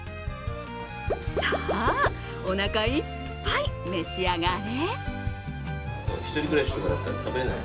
さあ、おなかいっぱい召し上がれ。